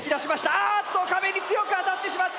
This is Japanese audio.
あっと壁に強く当たってしまった！